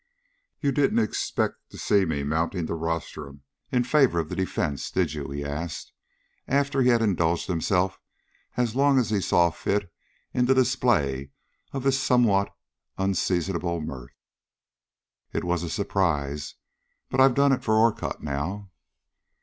"You didn't expect to see me mounting the rostrum in favor of the defence, did you?" he asked, after he had indulged himself as long as he saw fit in the display of this somewhat unseasonable mirth. "Well, it was a surprise. But I've done it for Orcutt now!"